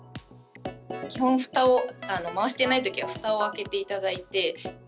基本、ふたを、回してないときは、ふたを開けていただいて。